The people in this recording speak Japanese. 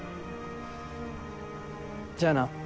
じゃあな。